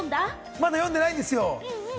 まだ読んでないんですよ。